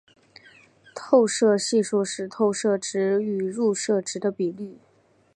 透射系数是透射值与入射值的比率。